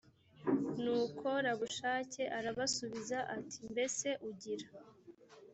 nuko rabushake arabasubiza ati mbese ugira